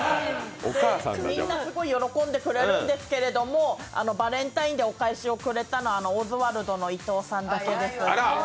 みんなすごい喜んでくれるんですけれども、バレンタインでお返しをくれたのはオズワルドの伊藤さんだけです。